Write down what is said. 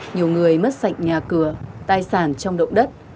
nhiều người mất sạch nhà cửa tài sản trong động đất